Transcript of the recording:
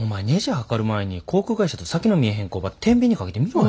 量る前に航空会社と先の見えへん工場てんびんにかけてみろや。